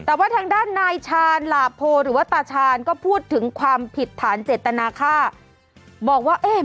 แต่ว่าทางด้านนายชาญหลาโพหรือว่าตาชาญก็พูดถึงความผิดฐานเจตนาค่าบอกว่าเอ๊ะ